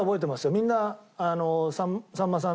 みんなさんまさん